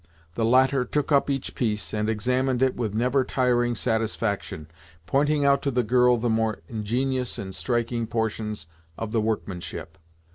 The latter took up each piece, and examined it with never tiring satisfaction, pointing out to the girl the more ingenious and striking portions of the workmanship.